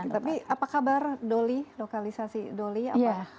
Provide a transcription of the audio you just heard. tapi apa kabar doli lokalisasi doli apa